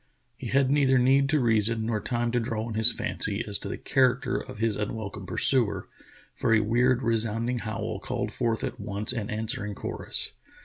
He had neither need to reason nor time to draw on his fancy as to the character of his unwelcome pur suer, for a weird resounding howl called forth at once an answering chorus.